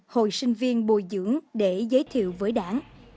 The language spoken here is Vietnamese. hội sinh viên bồi dưỡng để giới thiệu với đảng